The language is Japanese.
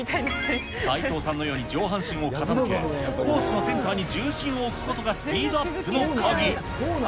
齋藤さんのように上半身を傾け、コースのセンターに重心を置くことがスピードの鍵。